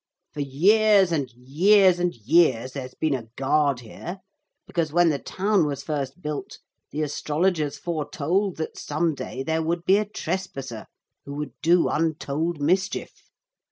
For years and years and years there's been a guard here, because when the town was first built the astrologers foretold that some day there would be a trespasser who would do untold mischief.